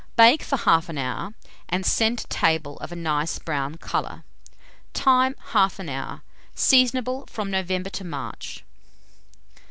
Bake for 1/2 an hour, and send to table of a nice brown colour. Time. 1/2 hour. Seasonable from November to March.